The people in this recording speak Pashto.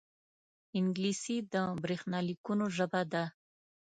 انګلیسي د برېښنا لیکونو ژبه ده